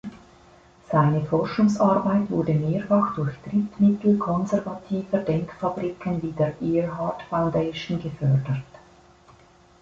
Seine Forschungsarbeit wurde mehrfach durch Drittmittel konservativer Denkfabriken wie der "Earhart Foundation" gefördert.